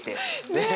ねえ。